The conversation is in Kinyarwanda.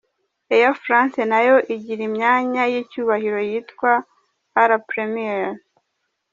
AirFrance na yo igira imyanya y’icyubahiro yitwa a La Première.